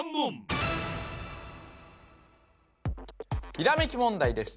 ひらめき問題です